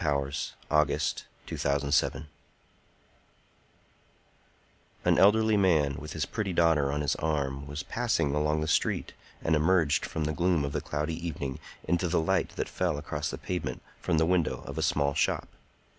THE ARTIST OF THE BEAUTIFUL An elderly man, with his pretty daughter on his arm, was passing along the street, and emerged from the gloom of the cloudy evening into the light that fell across the pavement from the window of a small shop.